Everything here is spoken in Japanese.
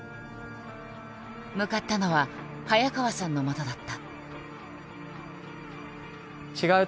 向かったのは早川さんのもとだった。